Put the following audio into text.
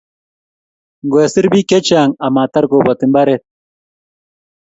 Ngwesir biik chechang amatar kobati mbaret